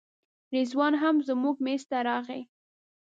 رضوان هم زموږ میز ته راغی.